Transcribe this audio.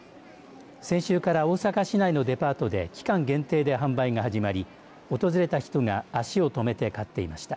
先週から大阪市内のデパートで期間限定で販売が始まり訪れた人が足を止めて買っていました。